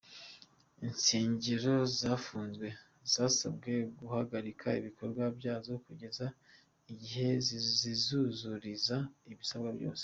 Insengero zafunzwe zasabwe guhagarika ibikorwa byazo kugeza igihe zizuzuriza ibisabwa byose.